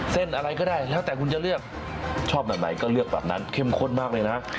อะไรก็ได้แล้วแต่คุณจะเลือกชอบแบบไหนก็เลือกแบบนั้นเข้มข้นมากเลยนะ